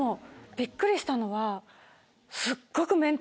びっくりしたのは。